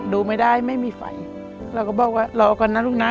ดูไม่ได้ไม่มีไฟเราก็บอกว่ารอก่อนนะลูกนะ